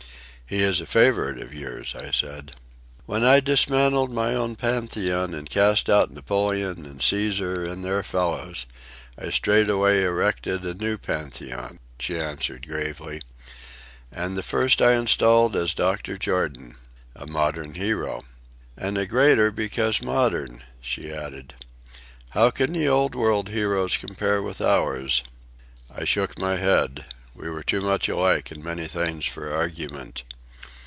"He is a favourite of yours," I said. "When I dismantled my old Pantheon and cast out Napoleon and Cæsar and their fellows, I straightway erected a new Pantheon," she answered gravely, "and the first I installed was Dr. Jordan." "A modern hero." "And a greater because modern," she added. "How can the Old World heroes compare with ours?" I shook my head. We were too much alike in many things for argument.